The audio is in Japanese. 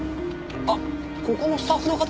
あっここのスタッフの方？